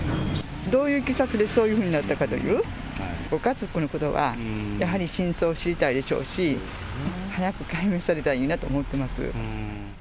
どういういきさつでそういうふうになったかという、ご家族の方はやはり真相を知りたいでしょうし、早く解明されたらいいなと思ってます。